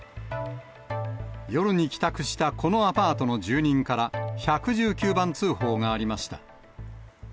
夜に帰宅したこのアパートの住人から、１１９番通報がありました。